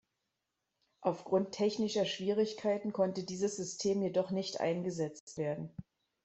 Aufgrund technischer Schwierigkeiten konnte dieses System jedoch nicht eingesetzt werden.